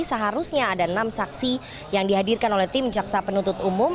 seharusnya ada enam saksi yang dihadirkan oleh tim jaksa penuntut umum